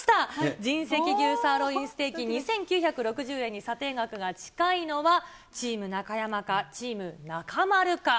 神石牛サーロインステーキ２９６０円に査定額が近いのはチーム中山か、チーム中丸か。